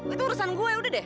itu urusan gue yaudah deh